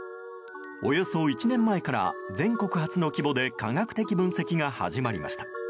およそ１年前から全国初の規模で科学的分析が始まりました。